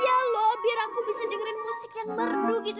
ya loh biar aku bisa dengerin musik yang merdu gitu